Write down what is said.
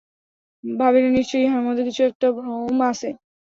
ভাবিলেন, নিশ্চয় ইহার মধ্যে একটা কিছু ভ্রম আছে।